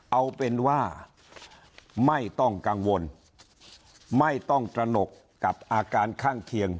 เอาเป็นว่าไม่ต้องกังวลไม่ต้องตระหนกกับอาการข้างเคียง